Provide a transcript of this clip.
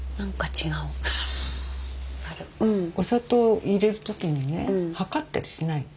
お砂糖入れる時にね量ったりしないの。